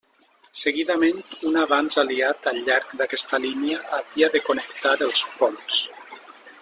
Seguidament, un avanç aliat al llarg d'aquesta línia havia de connectar els ponts.